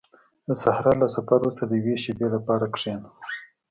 • د صحرا له سفر وروسته د یوې شېبې لپاره کښېنه.